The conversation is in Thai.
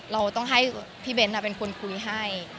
เราต้องให้พี่เบ้นเป็นคนคุยให้